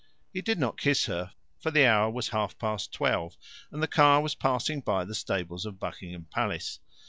He did not kiss her, for the hour was half past twelve, and the car was passing by the stables of Buckingham Palace.